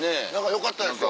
よかったですよ